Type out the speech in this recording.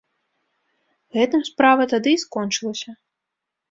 Гэтым справа тады і скончылася.